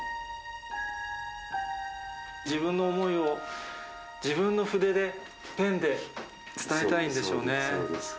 自分の思いを、自分の筆で、ペンで伝えたいんでしょうね。